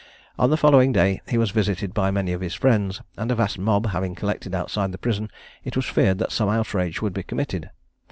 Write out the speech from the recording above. On the following day he was visited by many of his friends; and a vast mob having collected outside the prison, it was feared that some outrage would be committed.